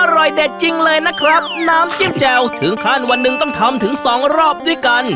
อร่อยเด็ดจริงเลยนะครับน้ำจิ้มแจ่วถึงขั้นวันหนึ่งต้องทำถึงสองรอบด้วยกัน